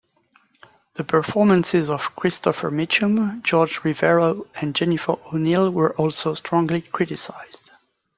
The performances of Christopher Mitchum, Jorge Rivero and Jennifer O'Neill were also strongly criticized.